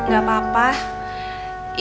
ya pak haji